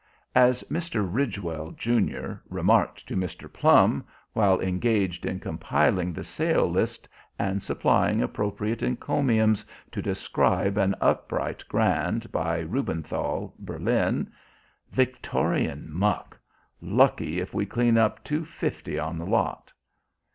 As Mr. Ridgewell, junior, remarked to Mr. Plum while engaged in compiling the sale list and supplying appropriate encomiums to describe an upright grand by Rubenthal, Berlin: "Victorian muck! Lucky if we clean up two fifty on the lot."